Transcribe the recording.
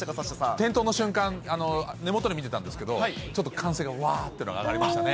点灯の瞬間、根元で見てたんですけど、ちょっと、歓声がわーっと上がりましたね。